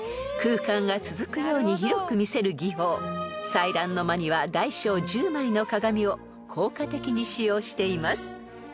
［彩鸞の間には大小１０枚の鏡を効果的に使用しています］